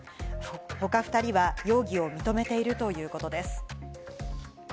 他２人は容疑を認めているということです。